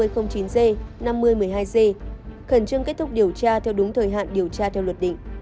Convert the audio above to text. khẩn trương kết thúc điều tra theo đúng thời hạn điều tra theo luật định